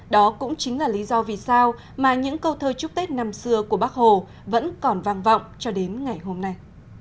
đó cũng chính là lý do vì sao mà những câu thơ chúc tết năm xưa của bác hồ vẫn còn vang vọng cho đến ngày hôm nay